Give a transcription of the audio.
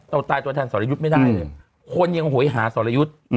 เราตายตัวแทนสรยุทธ์ไม่ได้เลยคนยังโหยหาสรยุทธ์